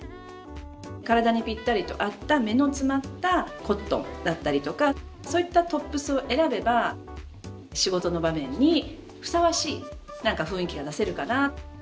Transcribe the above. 体にぴったりと合った目の詰まったコットンだったりとかそういったトップスを選べば仕事の場面にふさわしい雰囲気が出せるかな。